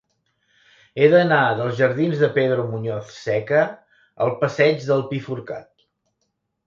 He d'anar dels jardins de Pedro Muñoz Seca al passeig del Pi Forcat.